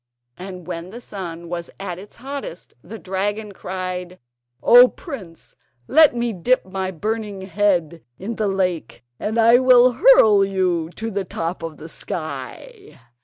And when the sun was at its hottest, the dragon cried: "O prince, let me dip my burning head in the lake, and I will hurl you to the top of the sky."